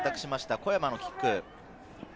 小山のキック。